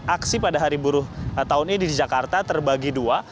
aksi pada hari buruh tahun ini di jakarta terbagi dua